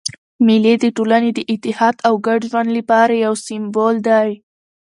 مېلې د ټولني د اتحاد او ګډ ژوند له پاره یو سېمبول دئ.